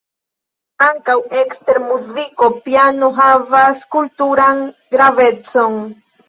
Ankaŭ ekster muziko piano havas kulturan gravecon.